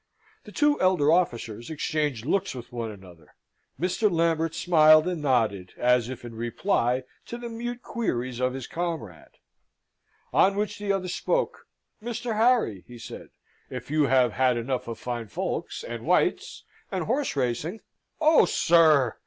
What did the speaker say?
The two elder officers exchanged looks with one another; Mr. Lambert smiled and nodded, as if in reply to the mute queries of his comrade: on which the other spoke. "Mr. Harry," he said, "if you have had enough of fine folks, and White's, and horse racing " "Oh, sir!"